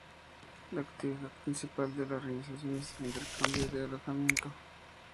La actividad principal de la organización es el intercambio de alojamiento.